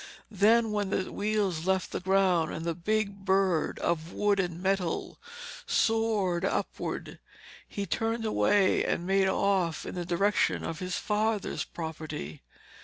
Then when the wheels left the ground and the big bird of wood and metal soared upward, he turned away and made off in the direction of his father's property.